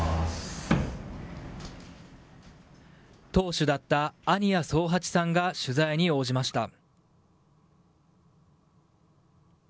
投手だった安仁屋宗八さんが取材に応じました。